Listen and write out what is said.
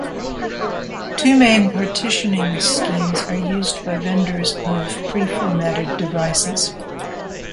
Two main partitioning schemes are used by vendors of pre-formatted devices.